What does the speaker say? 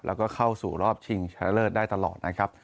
แล้วก็เข้าสู่รอบชิงชนะเลิศได้ตลอดนะครับ